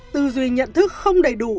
từ duy nhận thức không đầy đủ